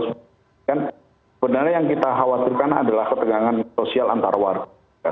sebenarnya yang kita khawatirkan adalah ketegangan sosial antar warga